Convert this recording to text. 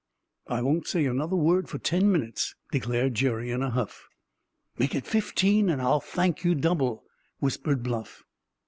"I won't say another word for ten minutes!" declared Jerry, in a huff. "Make it fifteen and I'll thank you double," whispered Bluff.